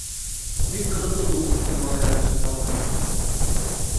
Бик ҡыҙыҡлы булып сыҡты малайҙар өсөн тауҙың эсе.